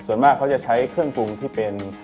ส่วนมากเขาจะใช้เครื่องปรุงที่เป็น